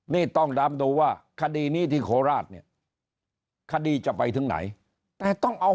ให้ต้องดามดูว่าคดีนี้ที่โคราชคดีจะไปถึงไหนว่าต้องเอา